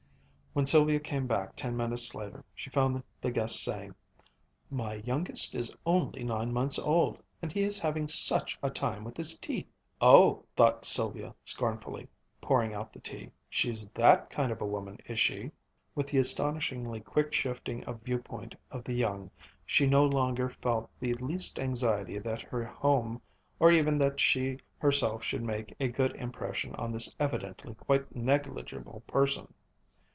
When Sylvia came back ten minutes later, she found the guest saying, "My youngest is only nine months old, and he is having such a time with his teeth." "Oh!" thought Sylvia scornfully, pouring out the tea. "She's that kind of a woman, is she?" With the astonishingly quick shifting of viewpoint of the young, she no longer felt the least anxiety that her home, or even that she herself should make a good impression on this evidently quite negligible person.